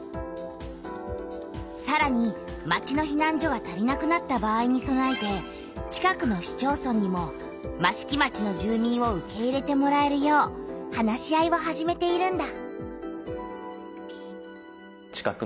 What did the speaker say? さらに町のひなん所が足りなくなった場合にそなえて近くの市町村にも益城町の住民を受け入れてもらえるよう話し合いを始めているんだ。